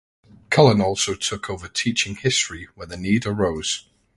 Cullen also took over teaching history when the need arose.